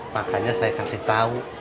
makanya saya kasih tahu